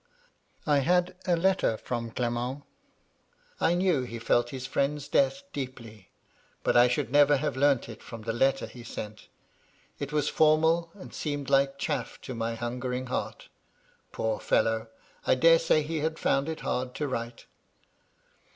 I had a letter from Clement ; I knew he felt his friend's death deeply; but I should never have learnt it from the letter he sent. It was formal, and seemed like chaflf to my hungering heart. Poor fellow ! I dare say he had found it hard to write.